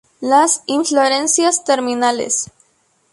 Las inflorescencias terminales.